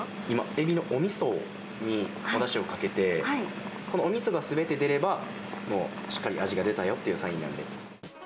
今、エビのおみそにおだしをかけて、このおみそがすべて出れば、もうしっかり味が出たよっていうサインなので。